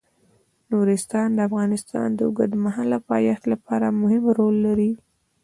نورستان د افغانستان د اوږدمهاله پایښت لپاره مهم رول لري.